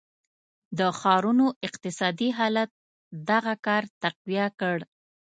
د ښارونو اقتصادي حالت دغه کار تقویه کړ.